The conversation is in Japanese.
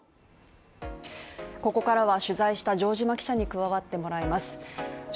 ここからは取材した城島記者に加わっていただきます。